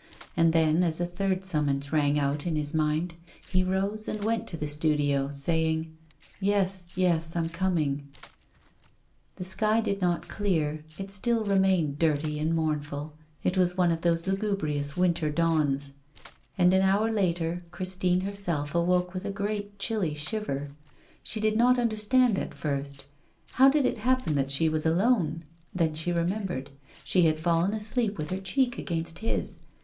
And then, as a third summons rang out in his mind, he rose and went to the studio, saying: 'Yes, yes, I'm coming,' The sky did not clear, it still remained dirty and mournful it was one of those lugubrious winter dawns; and an hour later Christine herself awoke with a great chilly shiver. She did not understand at first. How did it happen that she was alone? Then she remembered: she had fallen asleep with her cheek against his.